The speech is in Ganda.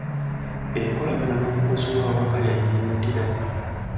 Enkolagana n'omukozi w'awaka yanyiinyiitira nnyo.